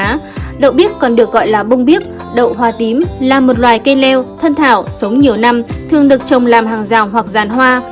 trà hoa đậu biếc còn được gọi là bông biếc đậu hoa tím là một loài cây leo thân thảo sống nhiều năm thường được trồng làm hàng rào hoặc giàn hoa